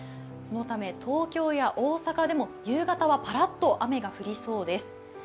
そのため東京や大阪でも夕方はパラッと雨が降りそうです。